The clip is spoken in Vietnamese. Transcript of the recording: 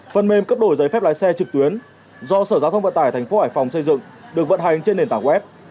phần mềm cấp đổi giấy phép lái xe trực tuyến do sở giao thông vận tải tp hải phòng xây dựng được vận hành trên nền tảng web